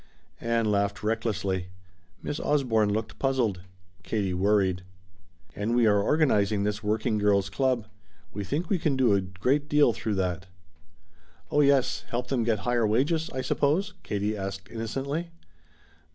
Ann laughed recklessly. Miss Osborne looked puzzled; Katie worried. "And we are organizing this working girl's club. We think we can do a great deal through that." "Oh yes, help them get higher wages, I suppose?" Katie asked innocently.